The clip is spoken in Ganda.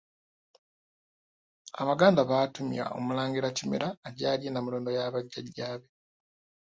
Abaganda baatumya omulangira Kimera ajje alye Nnamulondo ya bajjajjaabe.